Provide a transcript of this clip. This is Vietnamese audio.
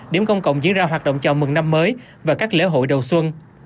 điểm công cộng diễn ra hoạt động chào mừng năm mới và các lễ hội đầu xuân